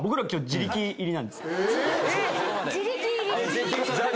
・「自力入り」。